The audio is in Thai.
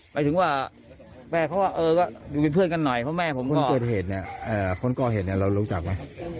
ไปถึงว่าเพื่อนกันหน่อยพนักรู้ชักว่ะ